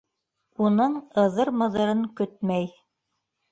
Уның ыҙыр-мыҙырын көтмәй.